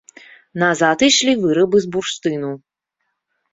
Назад ішлі вырабы з бурштыну.